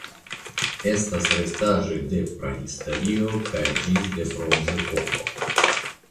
Estas restaĵoj de Prahistorio kaj ĝis de Bronzepoko.